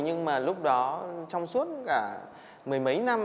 nhưng mà trong suốt mười mấy năm